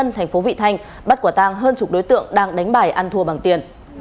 công an thành phố vị thanh bắt quả tang hơn chục đối tượng đang đánh bài ăn thua bằng tiền